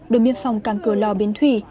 đội biên phòng cảng cửa lò bến thủy